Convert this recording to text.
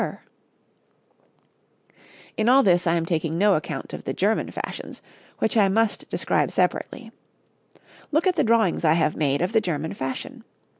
a head dress}] In all this I am taking no account of the German fashions, which I must describe separately. Look at the drawings I have made of the German fashion.